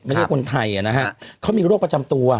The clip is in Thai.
ไม่ใช่คนไทยนะฮะเขามีโรคประจำตัว